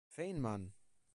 Feynman!“.